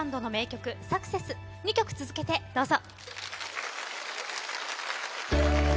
２曲続けてどうぞ。